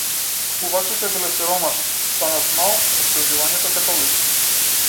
Купувачите биле сиромашни, станот - мал, опкружувањето - католичко.